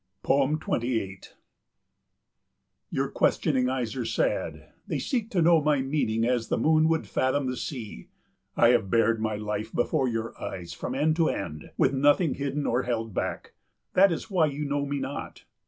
28 Your questioning eyes are sad. They seek to know my meaning as the moon would fathom the sea. I have bared my life before your eyes from end to end, with nothing hidden or held back. That is why you know me not.